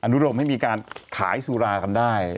นุรมให้มีการขายสุรากันได้